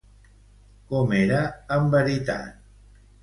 Com era en veritat?